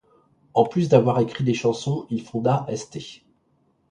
En plus d'avoir écrit des chansons, il fonda St.